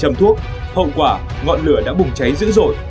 hậu quả ngọn lửa đã bùng cháy dữ dội